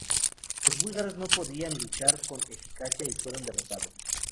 Los búlgaros no podían luchar con eficacia y fueron derrotados.